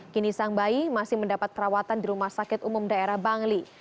kini sang bayi masih mendapat perawatan di rumah sakit umum daerah bangli